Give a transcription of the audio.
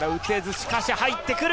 しかし入ってくる。